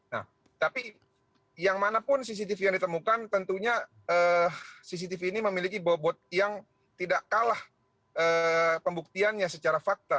nah tapi yang manapun cctv yang ditemukan tentunya cctv ini memiliki bobot yang tidak kalah pembuktiannya secara fakta